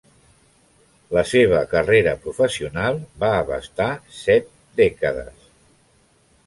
La seva carrera professional va abastar set dècades.